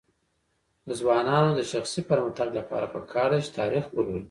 د ځوانانو د شخصي پرمختګ لپاره پکار ده چې تاریخ ولولي.